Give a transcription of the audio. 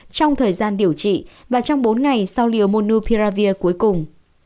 trong thời gian điều trị và trong bốn ngày sau liều monupiravir cuối cùng